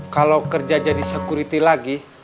kalau kerja jadi security lagi